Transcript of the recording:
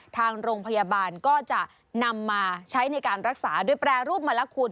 ทางโรงพยาบาลก็จะนำมาใช้ในการรักษาโดยแปรรูปมะละคุณ